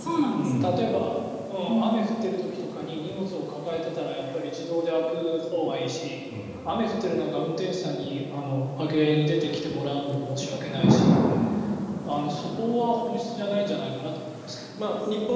例えば、雨が降っている時とか荷物を抱えていたらやっぱり自動で開くほうがいいし雨降ってる中運転手さんに開けに出てきてもらうのも申し訳ないし、そこは本質じゃないんじゃないかなと思いますけどね。